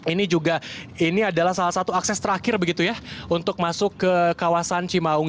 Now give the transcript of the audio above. ini juga ini adalah salah satu akses terakhir begitu ya untuk masuk ke kawasan cimaung